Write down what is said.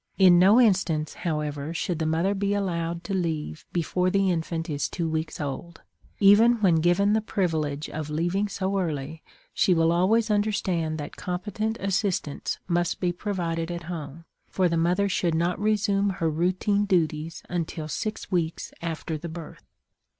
In no instance, however, should the mother be allowed to leave before the infant is two weeks old. Even when given the privilege of leaving so early she will always understand that competent assistance must be provided at home, for the mother should not resume her routine duties until six weeks after the birth.